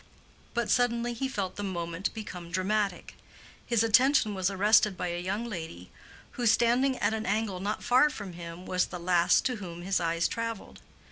But suddenly he felt the moment become dramatic. His attention was arrested by a young lady who, standing at an angle not far from him, was the last to whom his eyes traveled.